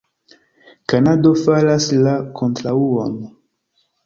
Kanado faras la kontraŭon.